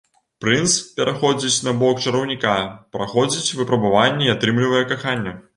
Прынц пераходзіць на бок чараўніка, праходзіць выпрабаванні і атрымлівае каханне.